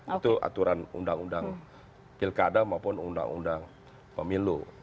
itu aturan undang undang pilkada maupun undang undang pemilu